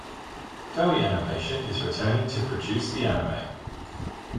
Toei Animation is returning to produce the anime.